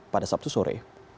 pada sabtu sore